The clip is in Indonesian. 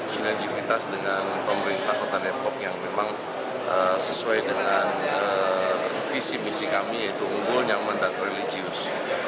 sinergivitas dengan pemerintah kota depok yang memang sesuai dengan visi misi kami yaitu unggul nyaman dan religius